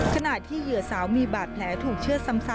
ขณะที่เหยื่อสาวมีบาดแผลถูกเชื่อซ้ำ